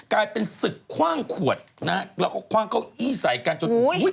กลายเป็นศึกคว่างขวดนะฮะแล้วก็คว่างเก้าอี้ใส่กันจนอุ้ย